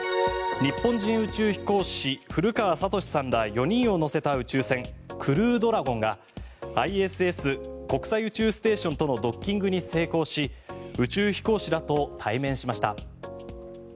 日本人宇宙飛行士古川聡さんら４人を乗せた宇宙船クルードラゴンがＩＳＳ・国際宇宙ステーションとのドッキングに成功し宇宙飛行士らと対面しました。